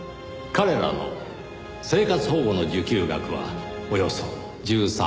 彼らの生活保護の受給額はおよそ１３万円。